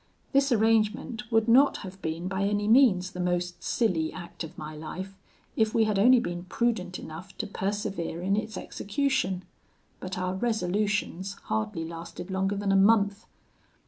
"This arrangement would not have been by any means the most silly act of my life, if we had only been prudent enough to persevere in its execution; but our resolutions hardly lasted longer than a month.